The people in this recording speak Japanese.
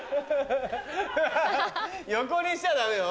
ハハハ横にしちゃダメよ